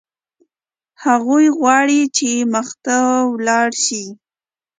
هغه غواړي چې مخته ولاړ شي.